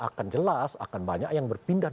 akan jelas akan banyak yang berpindah